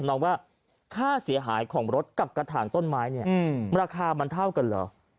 น้องว่าค่าเสียหายของรถกับกระถางต้นไม้เนี่ยราคามันเท่ากันเหรอ